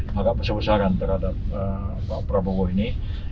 maka saya bersarang terhadap pak prabowo ini